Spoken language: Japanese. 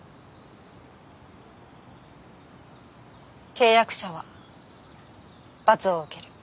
契約者は罰を受ける。